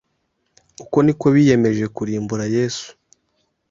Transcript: Uko niko biyemeje kurimbura Yesu